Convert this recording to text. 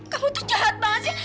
kau tuh jahat banget sih